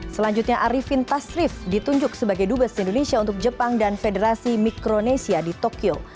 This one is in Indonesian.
selanjutnya arifin tasrif ditunjuk sebagai dubes indonesia untuk jepang dan federasi mikronesia di tokyo